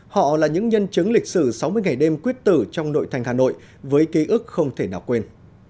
họ là những nhân chứng lịch sử sáu mươi ngày đêm quyết tử trong nội thành hà nội với ký ức không thể nào quên